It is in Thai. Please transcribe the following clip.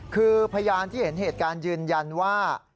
คือพยานที่เห็นเหตุการณ์ยืนยันว่า